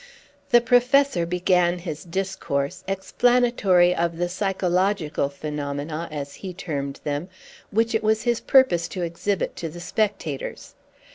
The Professor began his discourse, explanatory of the psychological phenomena, as he termed them, which it was his purpose to exhibit to the spectators.